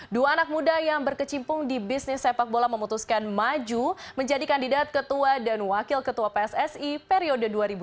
dua anak muda yang berkecimpung di bisnis sepak bola memutuskan maju menjadi kandidat ketua dan wakil ketua pssi periode dua ribu dua puluh